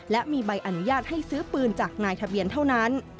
และมีใบอนุญาตให้ซื้อปืนจากนายทะเบียนเท่านั้น